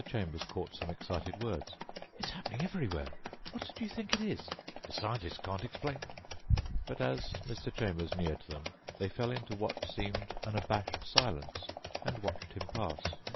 Chambers caught some excited words: "It's happening everywhere.... What do you think it is.... The scientists can't explain...." But as Mr. Chambers neared them they fell into what seemed an abashed silence and watched him pass.